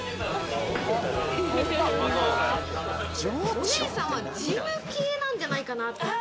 お姉さんは事務系なんじゃないかなって。